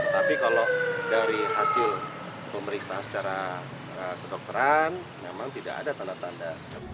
tapi kalau dari hasil pemeriksaan secara kedokteran memang tidak ada tanda tanda